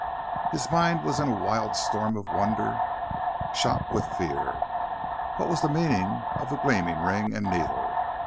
His mind was in a wild storm of wonder shot with fear. What was the meaning of the gleaming ring and needle?